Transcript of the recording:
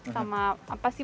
sama apa sih